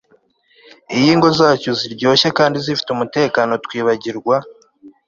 Iyo ingo zacu ziryoshye kandi zifite umutekano twibagirwa